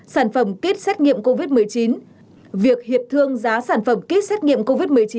sản phẩm kit xét nghiệm covid một mươi chín việc hiệp thương giá sản phẩm kýt xét nghiệm covid một mươi chín